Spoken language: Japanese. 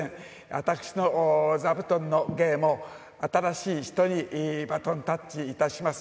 私の座布団の芸も、新しい人にバトンタッチいたします。